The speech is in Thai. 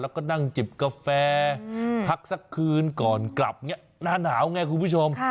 แล้วก็นั่งจิบกาแฟพักสักคืนก่อนกลับหน้าหนาวไงคุณผู้ชม